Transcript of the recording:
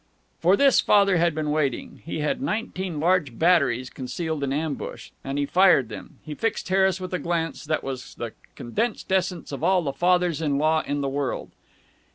For this Father had been waiting. He had nineteen large batteries concealed in ambush. And he fired them. He fixed Harris with a glance that was the condensed essence of all the fathers in law in the world.